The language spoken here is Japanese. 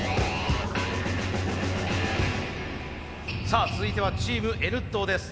さあ続いてはチームＮットーです。